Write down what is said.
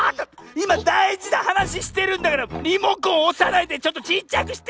いまだいじなはなししてるんだからリモコンおさないでちょっとちっちゃくして！